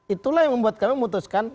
itulah yang membuat kami memutuskan